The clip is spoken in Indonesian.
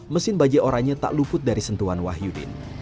mesin bajai orangnya tak luput dari sentuhan wahyudin